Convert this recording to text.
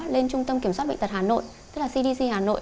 lên trung tâm kiểm soát bệnh tật hà nội tức là cdc hà nội